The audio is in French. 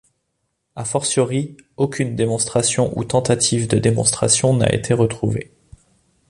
A fortiori aucune démonstration ou tentative de démonstration n'a été retrouvée.